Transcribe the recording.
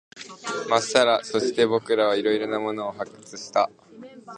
まっさら。そして、僕らは色々なものを発掘した。